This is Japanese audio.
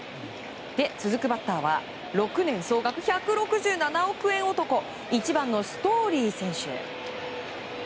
続くバッターは６年総額１６７億円男１番、ストーリー選手。